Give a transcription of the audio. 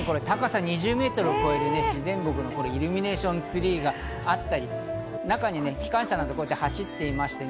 さらに高さ２０メートルを超える自然木のイルミネーションツリーがあったり、中に機関車などが走っていまして。